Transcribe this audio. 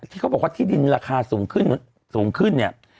ที่เขาบอกว่าที่ดินราคาสูงขึ้นสูงขึ้นเนี่ย